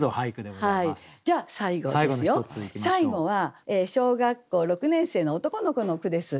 最後は小学校６年生の男の子の句です。